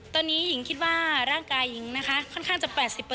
ตอนนี้หญิงคิดว่าร่างกายหญิงนะคะค่อนข้างจะ๘๐